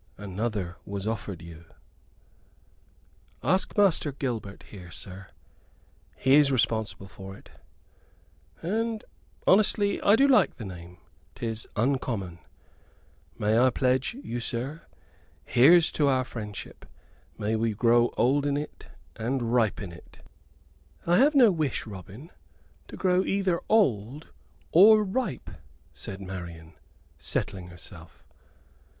Another was offered you." "Ask Master Gilbert here, sir he is responsible for't. And, honestly, I do like the name 'tis uncommon. May I pledge you, sir? Here's to our friendship! May we grow old in it and ripe in it!" "I have no wish, Robin, to grow either old or ripe," said Marian, settling herself.